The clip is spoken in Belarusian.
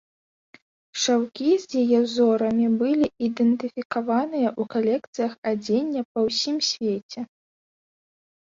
Шаўкі з яе ўзорамі былі ідэнтыфікаваныя ў калекцыях адзення па ўсім свеце.